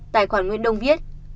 tài khoản nguyễn đông viết